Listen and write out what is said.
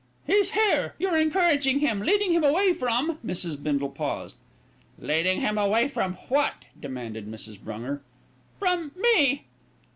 "He's here. You're encouraging him, leading him away from " Mrs. Bindle paused. "Leadin' him away from what?" demanded Mrs. Brunger. "From me!"